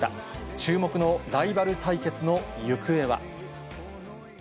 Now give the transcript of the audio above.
注目のライバル対決の行方は。